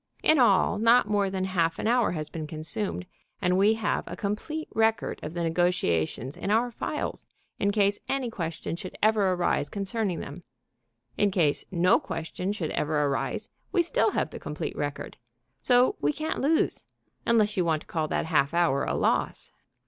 In all, not more than half an hour has been consumed, and we have a complete record of the negotiations in our files in case any question should ever arise concerning them. In case no question should ever arise, we still have the complete record. So we can't lose unless you want to call that half hour a loss.